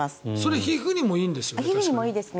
皮膚にもいいんですよね？